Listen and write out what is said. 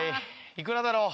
いくらだろう？